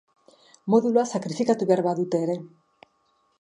Modulua sakrifikatu behar badute ere.